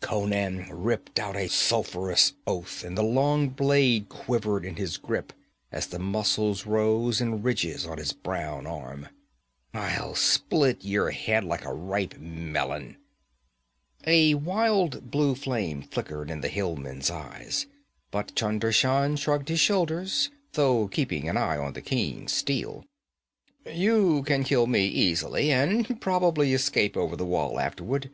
Conan ripped out a sulfurous oath and the long blade quivered in his grip as the muscles rose in ridges on his brown arm. 'I'll split your head like a ripe melon!' A wild blue flame flickered in the hillman's eyes, but Chunder Shan shrugged his shoulders, though keeping an eye on the keen steel. 'You can kill me easily, and probably escape over the wall afterward.